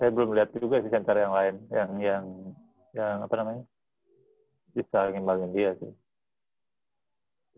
saya belum lihat juga sih center yang lain yang yang yang apa namanya bisa ngembangin dia sih